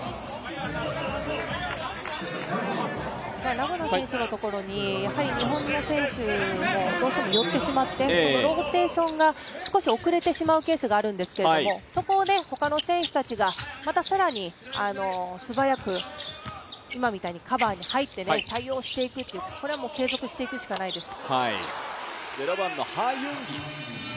ラ・ゴナ選手のところに日本の選手もどうしても寄ってしまってローテーションが少し遅れてしまうケースがあるんですけれどもそこでほかの選手たちが、また更に素早く今みたいにカバーに入って対応していくという、これはもう継続していくしかないです。